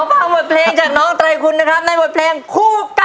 ฟังบทเพลงจากน้องไตรคุณนะครับในบทเพลงคู่กับ